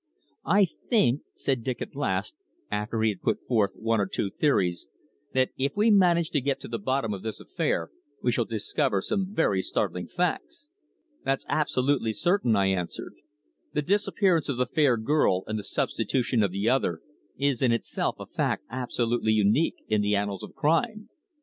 "I think," said Dick at last, after he had put forth one or two theories, "that if we manage to get to the bottom of this affair we shall discover some very startling facts." "That's absolutely certain," I answered. "The disappearance of the fair girl, and the substitution of the other, is in itself a fact absolutely unique in the annals of crime.